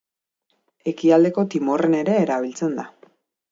Ekialdeko Timorren ere erabiltzen da.